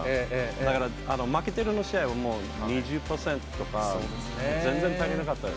だから、負けてるの試合は、もう２０％とか、全然足りなかったよ。